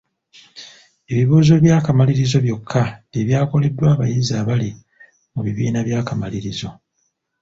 Ebibuuzo by'akamalirizo byokka bye byakoleddwa abayizi abali mu bibiina by'akamalirizo.